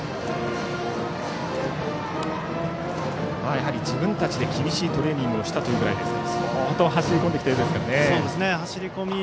やはり自分たちで厳しいトレーニングをしたと言うぐらいですから相当走り込んできているようですね。